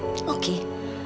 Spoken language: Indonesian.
apa yang sudah aku lakukan